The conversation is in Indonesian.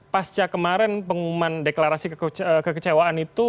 pasca kemarin pengumuman deklarasi kekecewaan itu